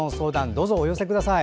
どうぞお寄せください。